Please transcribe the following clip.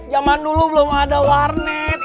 zaman dulu belum ada warnet